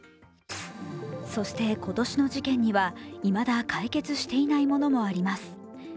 そして、今年の事件にはいまだ解決していないものもあります。